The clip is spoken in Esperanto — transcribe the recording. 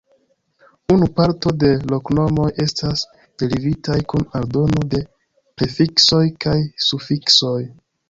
Unu parto de loknomoj estas derivitaj kun aldono de prefiksoj kaj sufiksoj.